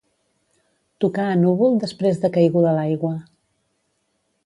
Tocar a núvol després de caiguda l'aigua.